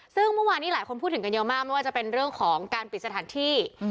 ซึ่งเมื่อวานนี้หลายคนพูดถึงกันเยอะมากไม่ว่าจะเป็นเรื่องของการปิดสถานที่